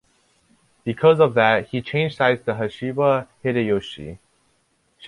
Because of that, he changed sides to Hashiba Hideyoshi.